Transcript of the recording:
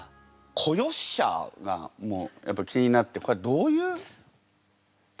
「子よっしゃあ」がやっぱ気になってこれはどういう。